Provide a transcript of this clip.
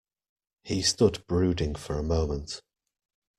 He stood brooding for a moment.